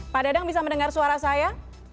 pak dadang bisa mendengar suara saya